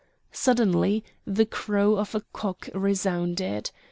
Suddenly the crow of a cock resounded.